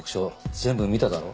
全部見ただろ？